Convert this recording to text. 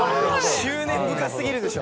執念深過ぎるでしょ。